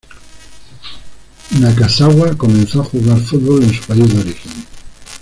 Nakazawa comenzó a jugar fútbol en su país de origen.